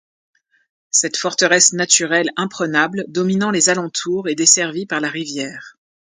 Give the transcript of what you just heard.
Cette forteresse naturelle imprenable dominant les alentours et desservie par la rivière.